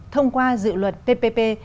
thông qua dự luật ppp